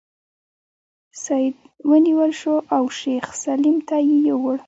سید ونیول شو او شیخ سلیم ته یې یووړ.